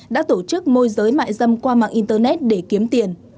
đã tổ chức môi giới mại dâm qua mạng internet để kiếm tiền